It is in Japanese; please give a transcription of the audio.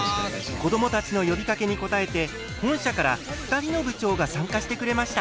子どもたちの呼びかけに応えて本社から２人の部長が参加してくれました。